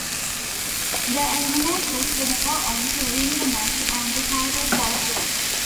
The Eliminators would go on to win the match and the titles as well.